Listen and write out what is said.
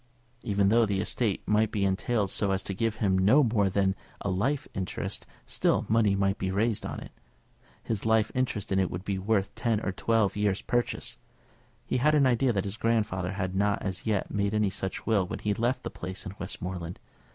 Even though the estate might be entailed so as to give him no more than a life interest, still money might be raised on it. His life interest in it would be worth ten or twelve years' purchase. He had an idea that his grandfather had not as yet made any such will when he left the place in Westmoreland.